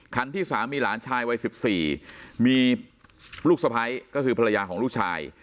ที่สามีหลานชายวัย๑๔มีลูกสะพ้ายก็คือภรรยาของลูกชาย